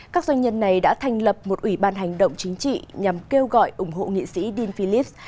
các doanh nhân này đã thành lập một ủy ban hành động chính trị nhằm kêu gọi ủng hộ nghị sĩ din philips